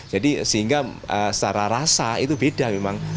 jadi sehingga secara rasa itu beda memang